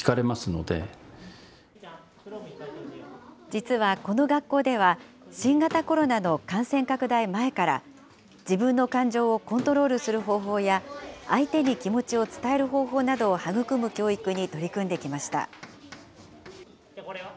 実はこの学校では、新型コロナの感染拡大前から、自分の感情をコントロールする方法や、相手に気持ちを伝える方法などを育む教育に取り組んできました。